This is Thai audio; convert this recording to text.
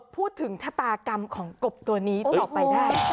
พูดถึงชะตากรรมของกบตัวนี้ต่อไปได้